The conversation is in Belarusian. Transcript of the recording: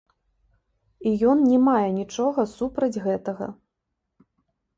І ён не мае нічога супраць гэтага.